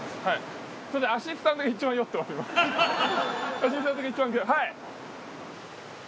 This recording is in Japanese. アシスタントが一番はい。